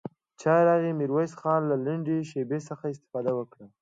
چای راغی، ميرويس خان له لنډې شيبې څخه استفاده وکړه.